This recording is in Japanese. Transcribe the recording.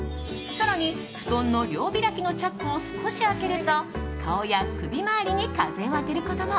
更に、布団の両開きのチャックを少し開けると顔や首周りに風を当てることも。